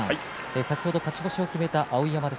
先ほど勝ち越しを決めた碧山です。